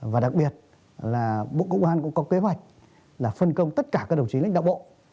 và đặc biệt là bộ công an cũng có kế hoạch là phân công tất cả các đồng chí lãnh đạo bộ